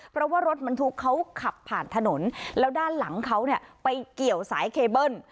เพราะว่ารถบรรทุกเขาขับผ่านถนนแล้วด้านหลังเขาเนี่ยไปเกี่ยวสายเคเบิ้ล